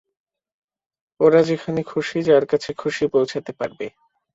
ওরা যেখানে খুশি, যার কাছে খুশি পৌঁছাতে পারবে।